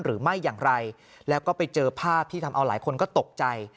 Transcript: หรือไม่อย่างไรแล้วก็ไปเจอภาพที่ทำเอาหลายคนก็ตกใจ